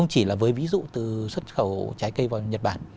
nếu mà chúng ta xuất khẩu trái cây vào nhật bản